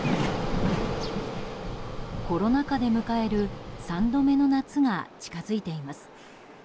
コロナ禍で迎える３度目の夏が近づいています。